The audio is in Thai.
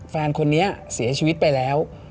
แฟนคนนี้เสียชีวิตไปแล้ว